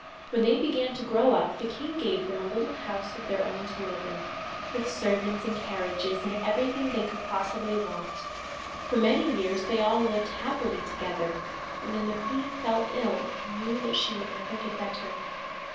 When they began to grow up the king gave them a house of their own to live in, with servants and carriages, and everything they could possibly want. For many years they all lived happily together, and then the queen fell ill, and knew that she would never get better.